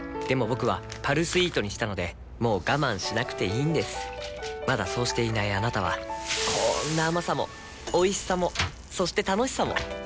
僕は「パルスイート」にしたのでもう我慢しなくていいんですまだそうしていないあなたはこんな甘さもおいしさもそして楽しさもあちっ。